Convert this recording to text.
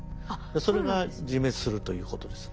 それが自滅するということです。